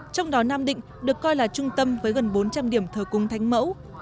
trong đó nam định được coi là trung tâm với gần bốn trăm linh điểm thờ cung thanh mẫu